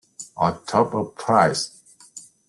Or drop a prize.